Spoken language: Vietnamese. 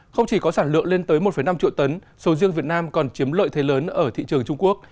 không chỉ có sản lượng lên tới một năm triệu tấn sầu riêng việt nam còn chiếm lợi thế lớn ở thị trường trung quốc